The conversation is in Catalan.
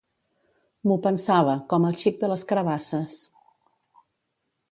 M'ho pensava, com el xic de les carabasses.